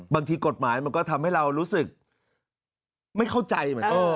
บางทีกฎหมายมันก็ทำให้เรารู้สึกไม่เข้าใจเหมือนกัน